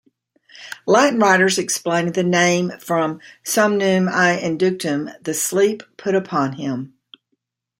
Latin writers explained the name from "somnum ei inductum", the "sleep put upon him.